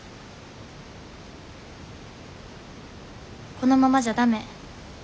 このままじゃダメ。